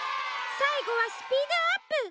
さいごはスピードアップ！